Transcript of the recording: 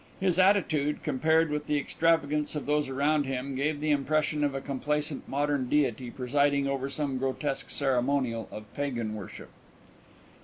His attitude, compared with the extravagance of those around him, gave the impression of a complacent modern deity presiding over some grotesque ceremonial of pagan worship.